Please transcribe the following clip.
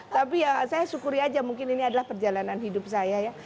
tapi ya saya syukuri aja mungkin ini adalah perjalanan hidup saya ya